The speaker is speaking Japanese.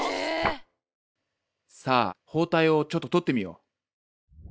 さあ包帯をちょっと取ってみよう。